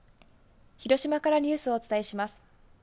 広島からニュースをお伝えします。